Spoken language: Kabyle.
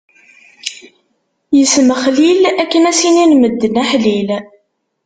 Ismexlil akken ad s-inin medden : aḥlil!